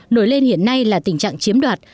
nổi lên hiện nay là tình trạng chiếm đoạt